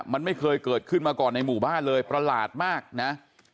มันไม่เคยเกิดขึ้นมาก่อนในหมู่บ้านเลยประหลาดมากนะ